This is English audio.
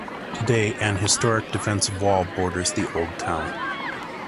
Today an historic defensive wall borders the old town.